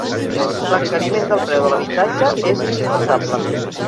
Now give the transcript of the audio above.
L'encariment del preu de l'habitatge és insuportable.